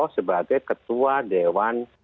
sebagai ketua dewan